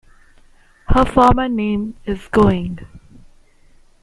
Her former name is Going.